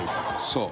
そう。